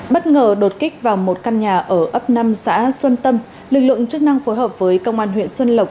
bất ngờ đột kích vào một căn nhà ở ấp năm xã xuân tâm lực lượng chức năng phối hợp với công an huyện xuân lộc